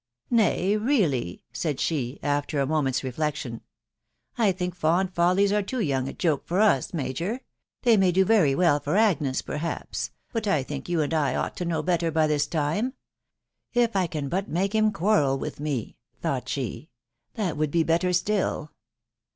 " Nay, really," said she, after a moment's reflec tion ;" I think fond follies are too young a joke for us, major; they may do very well for Agnes, perhaps .... but I thimk you and I ought to know better by this time. ... If I can but make him. quasrel with me," thought she, ..." that would he better still